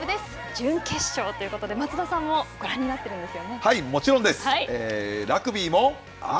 準決勝ということで、松田さんも、はい、もちろんです！